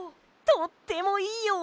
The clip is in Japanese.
とってもいいよ！